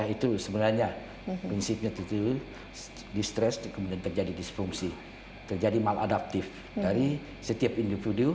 itu sebenarnya prinsipnya distres kemudian terjadi disfungsi terjadi maladaptif dari setiap individu